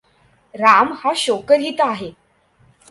राम हा शोकरहित आहे.